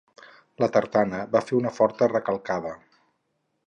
La tartana va fer una forta recalcada.